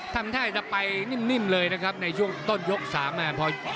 ทำท่าจะไปนิ่มเลยนะครับในช่วงต้นยกสาม